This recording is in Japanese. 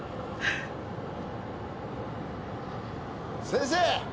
・先生！